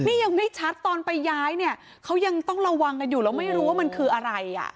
นี่ยังไม่ชัดตอนไปย้ายเนี่ยเขายังต้องระวังกันอยู่แล้วไม่รู้ว่ามันคืออะไรอ่ะ